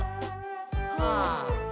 はあ。